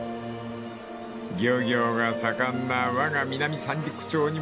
［漁業が盛んなわが南三陸町にも冬到来］